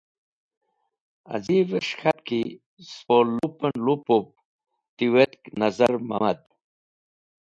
Az̃i’ves̃h k̃hat ki spo lup en lup pup tiwetk Nazar Mamad.